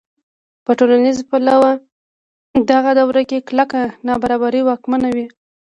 په ټولنیز پلوه په دغه دوره کې کلکه نابرابري واکمنه وه.